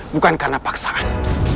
bukan karena paksaan